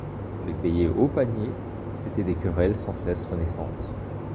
On les payait au panier, c'étaient des querelles sans cesse renaissantes.